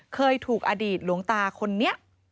เคยถูกอดีตหลวงตาคนนี้